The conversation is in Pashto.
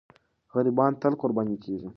غریبان تل قرباني کېږي.